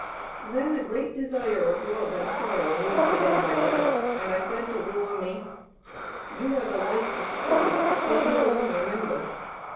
Then a great desire of love and sorrow moved within my breast, and I said to Ruamie, "You are the life of the city, for you alone remember.